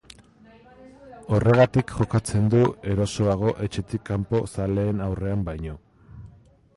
Horregatik jokatzen du erosoago etxetik kanpo zaleen aurrean baino.